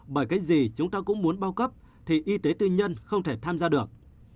bởi cái gì chúng ta cũng muốn bao cấp thì y tế tư nhân không thể tham gia được